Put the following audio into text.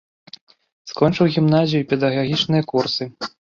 Скончыў гімназію і педагагічныя курсы.